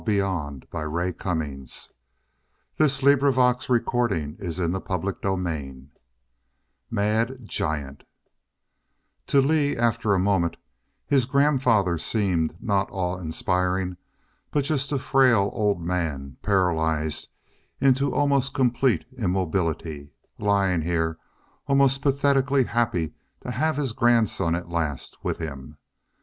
"Yes grandfather " He went slowly forward and sat on the bedside. CHAPTER IV Mad Giant To Lee, after a moment, his grandfather seemed not awe inspiring, but just a frail old man, paralyzed into almost complete immobility, lying here almost pathetically happy to have his grandson at last with him.